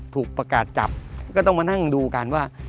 ถูกประกาศจับก็ต้องมานั่งดูกันว่า